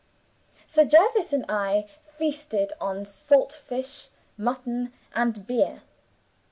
Sir Jervis and I feasted on salt fish, mutton, and beer.